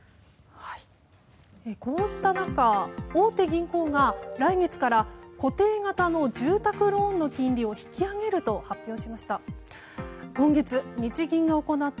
こうした中、大手銀行が来月から固定型の住宅ローンの金利を引き上げると発表しました。